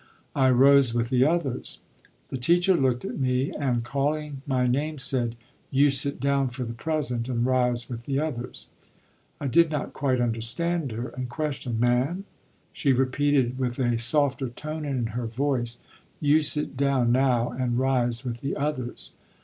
I rose with the others. The teacher looked at me and, calling my name, said: "You sit down for the present, and rise with the others." I did not quite understand her, and questioned: "Ma'm?" She repeated, with a softer tone in her voice: "You sit down now, and rise with the others."